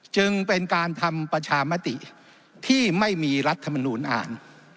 จึงเป็นการทำประชามติที่ไม่มีรัฐมนูลอ่าน